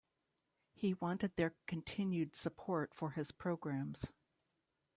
He wanted their continued support for his programs.